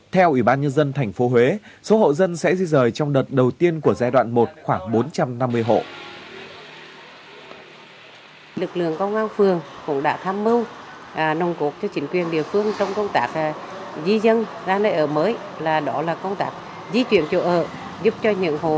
theo ủy ban nhân dân tp huế số hộ dân sẽ di rời trong đợt đầu tiên của giai đoạn một khoảng bốn trăm năm mươi hộ